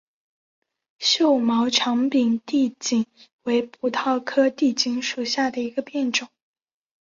锈毛长柄地锦为葡萄科地锦属下的一个变种。